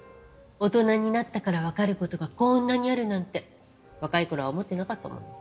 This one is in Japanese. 大人になったから分かることがこんなにあるなんて若いころは思ってなかったもの。